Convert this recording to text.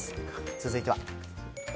続いては。